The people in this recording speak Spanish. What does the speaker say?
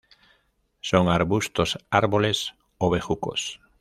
Son arbustos, árboles o bejucos.